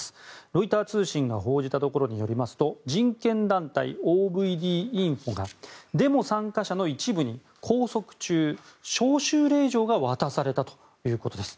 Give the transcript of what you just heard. ロイター通信が報じたところによりますと人権団体のＯＶＤインフォがデモ参加者の一部に拘束中、招集令状が渡されたということです。